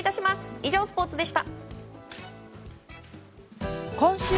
以上、スポーツでした。